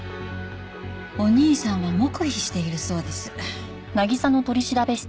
お兄さんは黙秘しているそうです。